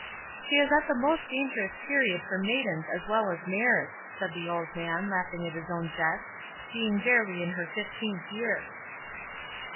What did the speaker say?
"She is at the most dangerous period for maidens as well as mares," said the old man, laughing at his own jest, "being barely in her fifteenth year."